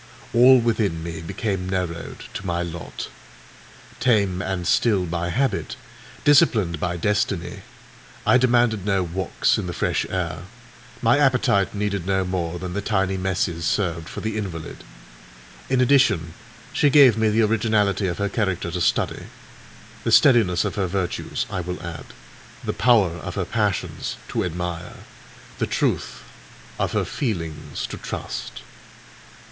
All within me became narrowed to my lot. Tame and still by habit, disciplined by destiny, I demanded no walks in the fresh air; my appetite needed no more than the tiny messes served for the invalid. In addition, she gave me the originality of her character to study: the steadiness of her virtues, I will add, the power of her passions, to admire; the truth of her feelings to trust.